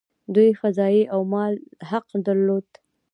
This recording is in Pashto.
دوی قضايي او د مال حق هم درلود.